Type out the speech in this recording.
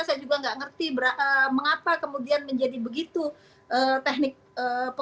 saya juga tidak mengerti mengapa kemudian menjadi begitu teknik pengendalian dan vaksinasi